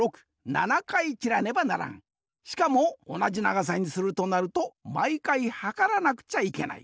しかもおなじながさにするとなるとまいかいはからなくちゃいけない。